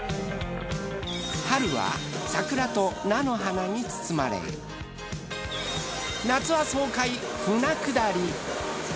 春は桜と菜の花に包まれ夏は爽快舟下り。